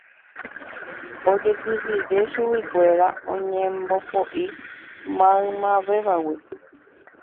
Ojekyhyje chuguikuéra oñembopoʼi maymavévagui.